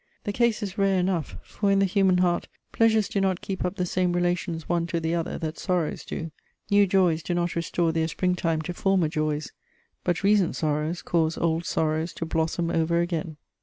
The case is rare enough, for in the human heart pleasures do not keep up the same relations one to the other that sorrows do: new joys do not restore their springtime to former joys, but recent sorrows cause old sorrows to blossom over again.